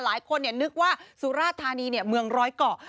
หลายคนนึกว่าสุราธานีเมืองร้อยเกาะ